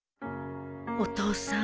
お父さん。